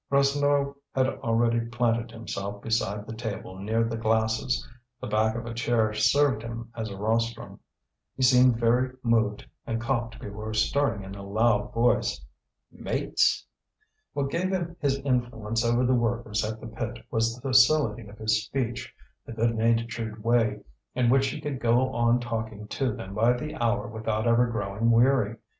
Rasseneur had already planted himself beside the table near the glasses. The back of a chair served him as a rostrum. He seemed very moved, and coughed before starting in a loud voice: "Mates!" What gave him his influence over the workers at the pit was the facility of his speech, the good natured way in which he could go on talking to them by the hour without ever growing weary.